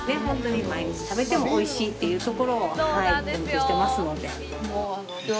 本当に毎日食べてもおいしいというところを研究してますので。